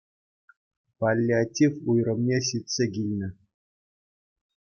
Паллиатив уйрӑмне ҫитсе килнӗ